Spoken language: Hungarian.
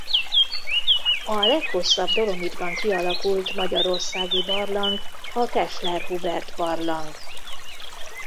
A leghosszabb dolomitban kialakult magyarországi barlang a Kessler Hubert-barlang.